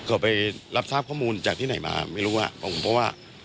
ก็ไปรับทราบข้อมูลจากที่ไหนมาไม่รู้ครับผม